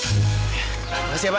terima kasih pak